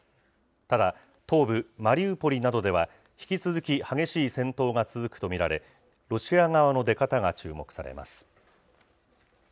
ただ、東部マリウポリなどでは引き続き激しい戦闘が続くと見られ、ロシア側の出方が注目されます。